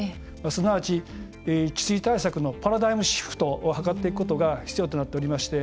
すなわち、治水対策のパラダイムシフトを図っていくことが必要となっておりまして